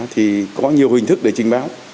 thì có nhiều hình thức để trình báo